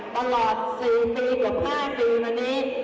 ตลอด๔ปีกว่า๕ปีกวันนี้